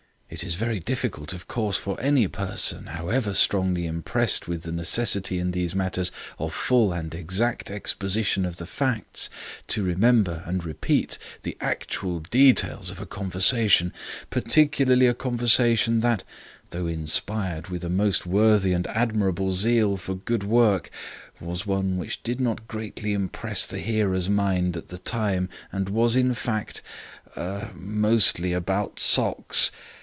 It is very difficult, of course, for any person, however strongly impressed with the necessity in these matters of full and exact exposition of the facts, to remember and repeat the actual details of a conversation, particularly a conversation which (though inspired with a most worthy and admirable zeal for good work) was one which did not greatly impress the hearer's mind at the time and was in fact er mostly about socks.